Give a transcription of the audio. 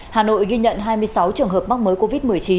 hà nội ghi nhận hai mươi sáu trường hợp mắc mới covid một mươi chín